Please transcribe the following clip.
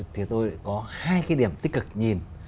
thì tôi có hai cái điểm tích cực nhìn